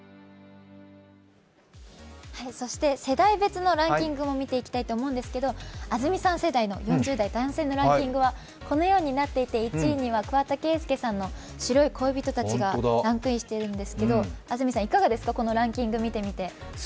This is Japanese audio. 世代別のランキングも見ていきたいと思うんですけど安住さん世代の４０代男性のランキングはこのようになっていて、１位には桑田佳祐さんの「白い恋人達」がランクインしてるんですけど安住さん、いかがですか、このランキング見てみて。